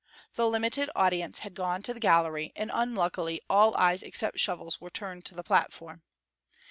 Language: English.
The limited audience had gone to the gallery, and unluckily all eyes except Shovel's were turned to the platform.